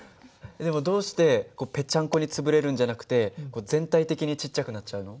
でもどうしてペチャンコに潰れるんじゃなくて全体的にちっちゃくなっちゃうの？